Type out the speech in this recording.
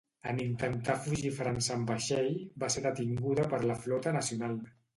En intentar fugir a França amb vaixell, va ser detinguda per la flota nacional.